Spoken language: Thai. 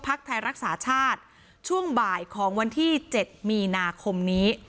ไทยรักษาชาติช่วงบ่ายของวันที่๗มีนาคมนี้